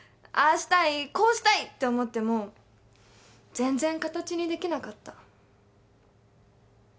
ああしたいこうしたいって思っても全然形にできなかった。